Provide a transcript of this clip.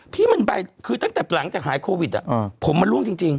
พี่มันไปคือตั้งแต่หลังจากหายโควิดผมมันล่วงจริง